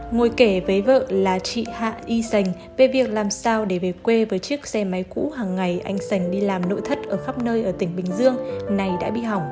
ngồi kể với vợ là chị hạ y sành về việc làm sao để về quê với chiếc xe máy cũ hàng ngày anh sành đi làm nội thất ở khắp nơi ở tỉnh bình dương này đã bị hỏng